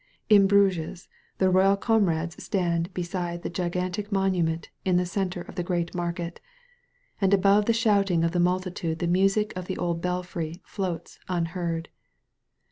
In Bruges the royal comrades stand beside the gi gantic monument in the centre of the Great Market, and above the shouting of the multitude the music of the old belfry floats unheard.